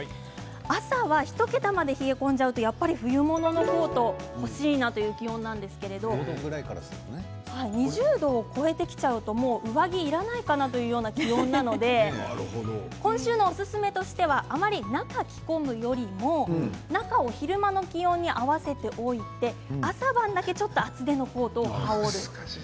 朝１桁まで冷え込んじゃうとやっぱり冬物のコート欲しいなという気温なんですけれども２０度を超えてきちゃうと上着いらないかなというような気温なので今週のおすすめとしてはあまり中を着込むよりも中を昼間の気温に合わせておいて朝晩だけちょっと厚手のコートを羽織る。